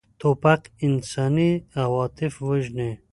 توپک انساني عواطف وژني.